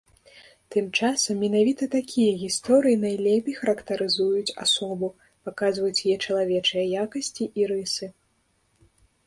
Тым часам, менавіта такія гісторыі найлепей характарызуюць асобу, паказваюць яе чалавечыя якасці і рысы.